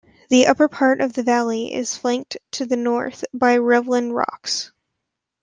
The upper part of the valley is flanked to the north by Rivelin Rocks.